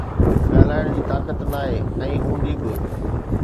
ڳالهائڻ جي طاقت ناهي ۽ هوندي به